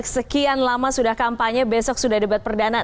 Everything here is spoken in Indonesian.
sekian lama sudah kampanye besok sudah debat perdana